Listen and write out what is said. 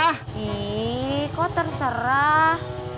ih kok terserah